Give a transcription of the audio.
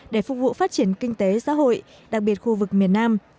để phục vụ phát triển kinh tế xã hội đặc biệt khu vực miền nam